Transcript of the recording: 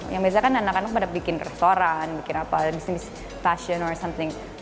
yang biasanya kan anak anak pada membuat restoran bisnis fashion atau sesuatu